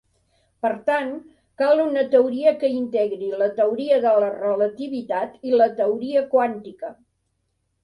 Per tant, cal una teoria que integri la teoria de la relativitat i la teoria quàntica.